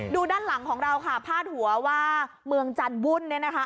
ด้านหลังของเราค่ะพาดหัวว่าเมืองจันทร์วุ่นเนี่ยนะคะ